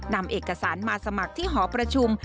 นำเอกสารมาสมัครที่หอประชุม